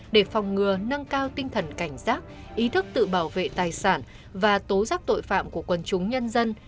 để phòng ngừa nâng cao tinh thần cảnh giác ý thức tự bảo vệ tài sản và tố giác tội phạm của quân chúng nhân dân